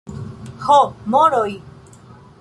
Ho, moroj!